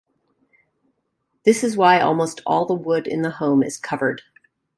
This is why almost all the wood in the home is covered.